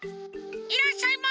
いらっしゃいませ！